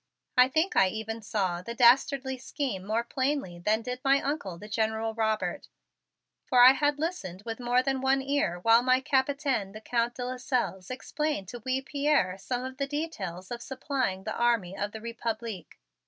I think I even saw the dastardly scheme more plainly than did my Uncle, the General Robert, for I had listened with more than one ear while my Capitaine, the Count de Lasselles, explained to wee Pierre some of the details of supplying the army of the Republique.